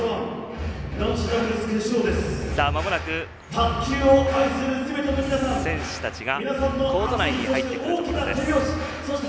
まもなく選手たちがコート内に入ってくるところです。